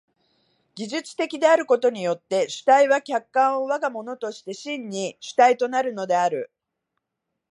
技術的であることによって主体は客観を我が物として真に主体となるのである。